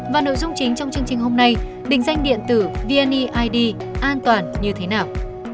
và nội dung chính trong chương trình hôm nay định danh điện tử vneid an toàn như thế nào